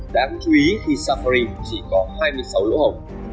đáng chú ý khi safari chỉ có hai mươi sáu lỗi hỏng